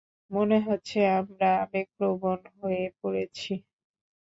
মনে হচ্ছে আমরা আবেগপ্রবণ হয়ে পড়ছি।